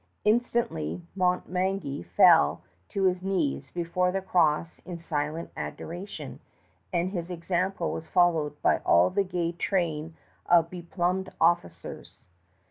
Instantly Montmagny fell to his knees before the cross in silent adoration, and his example was followed by all the gay train of beplumed officers.